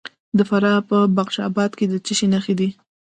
د فراه په بخش اباد کې د څه شي نښې دي؟